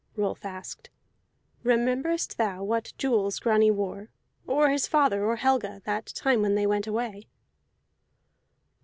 Rolf asked, "Rememberest thou what jewels Grani wore, or his father, or Helga, that time when they went away?"